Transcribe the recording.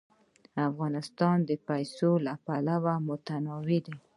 افغانستان د پسه له پلوه متنوع دی.